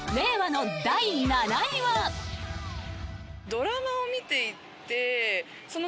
ドラマを見ていてその。